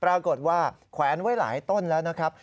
ปรากฏว่าแขวนไว้หลายต้นแล้วนะครับ